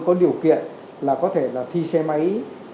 có điều kiện là có thể là thi xe máy